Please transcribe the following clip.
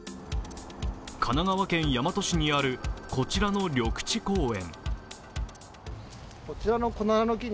神奈川県大和市にあるこちらの緑地公園。